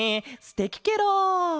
すてきケロ。